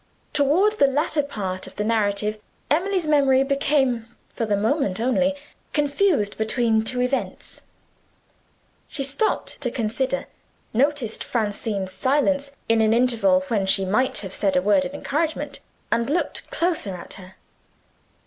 Toward the latter part of the narrative Emily's memory became, for the moment only, confused between two events. She stopped to consider noticed Francine's silence, in an interval when she might have said a word of encouragement and looked closer at her.